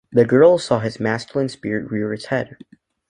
The girl saw his masculine spirit rear its head.